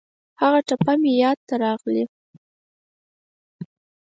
هغه ټپه مې یاد ته راغلې.